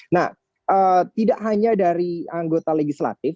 nah tidak hanya dari anggota legislatif